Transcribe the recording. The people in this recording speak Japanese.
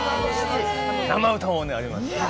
生歌もね、あります。